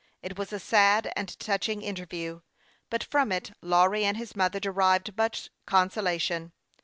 It was a sad and touching interview ; but from it Lawry and his mother derived much consolation.